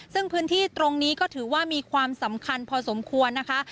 ซึ่งพื้นที่ตรงนี้ก็ถือว่ามีความสำคัญพอสมควรนะคะ